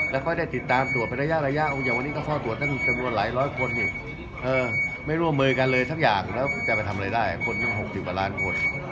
แล้วก็ได้ติดตามตรวจไประยะระยะอย่างวันนี้เขาสอบตรวจทั้งจำนวนหลายร้อยคนนี่เออไม่ร่วมมือกันเลยทั้งอย่างแล้วจะไปทำอะไรได้คนตั้งหกสิบกว่าลานคน